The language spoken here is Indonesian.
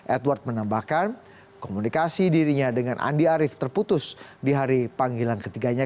edward menambahkan komunikasi dirinya dengan andi arief terputus di hari panggilan ketiganya